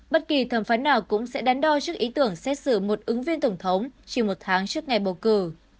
bất kỳ thẩm phán nào cũng sẽ đắn đo trước ý tưởng xét xử một ứng viên tổng thống chỉ một tháng trước ngày bầu cử